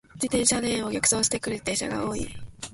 自転車レーンを逆走してくる自転車が多い。